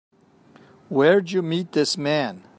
Where'd you meet this man?